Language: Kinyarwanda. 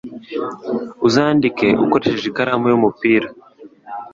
Uzandika ukoresheje ikaramu y'umupira?